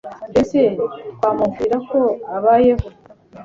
mbese twamubwira ko abayeho